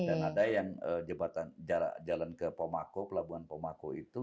dan ada yang jalan ke pomako ke labuan pomako itu